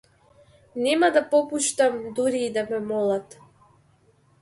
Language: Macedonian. Нема да попуштам дури и да ме молат.